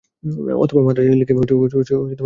অথবা মান্দ্রাজে লিখে কোন লোক পাঠাবে।